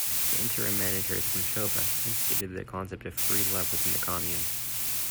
The interim managers of Nashoba instigated the concept of free love within the commune.